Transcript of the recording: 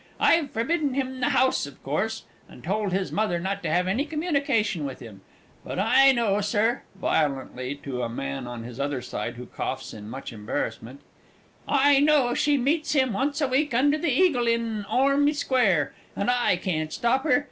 I've forbidden him the house of course, and told his mother not to have any communication with him but I know, Sir, (violently, to a Man on his other side, who coughs in much embarrassment) I know she meets him once a week under the eagle in Orme Square, and I can't stop her!